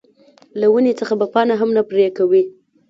د ونې څخه به پاڼه هم نه پرې کوې.